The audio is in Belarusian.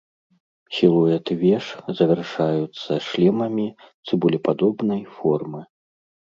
Сілуэты веж завяршаюцца шлемамі цыбулепадобнай формы.